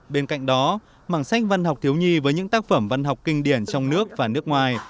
bên cạnh đó mảng sách văn học thiếu nhi với những tác phẩm văn học kinh điển trong nước và nước ngoài